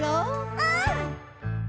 うん。